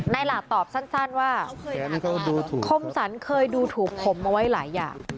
หลาดตอบสั้นว่าคมสรรเคยดูถูกผมเอาไว้หลายอย่าง